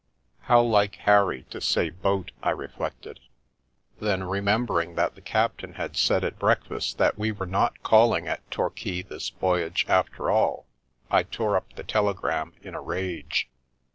" How like Harry to say ' boat/ " I reflected ; then, remembering that the captain had said at breakfast that The Milky Way we were not calling at Torquay this voyage, after all, I tore up the telegram in a rage.